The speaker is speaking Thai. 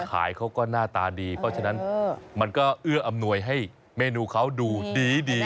เขาก็หน้าตาดีเพราะฉะนั้นมันก็เอื้ออำนวยให้เมนูเขาดูดี